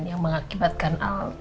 yang mengakibatkan al